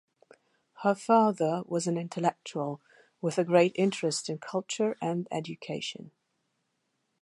Her father was an intellectual, with a great interest in culture and education.